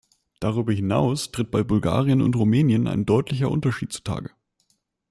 Darüber hinaus tritt bei Bulgarien und Rumänien ein deutlicher Unterschied zutage.